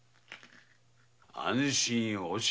安心おし！